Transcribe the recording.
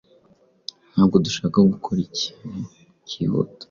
Ntabwo dushaka gukora ikintu cyihuta.